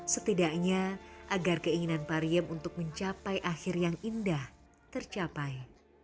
setidaknya agar keinginan pariem untuk mencapai akhir yang indah tercapai